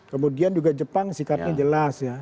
kemudian juga jepang sikapnya jelas ya